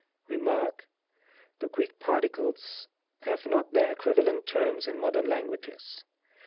Rem. — ^The Greek particles have not their equiva lent terms in Modem Languages.